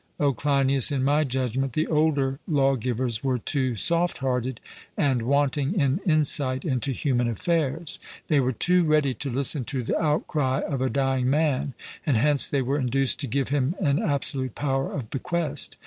O Cleinias, in my judgment the older lawgivers were too soft hearted, and wanting in insight into human affairs. They were too ready to listen to the outcry of a dying man, and hence they were induced to give him an absolute power of bequest.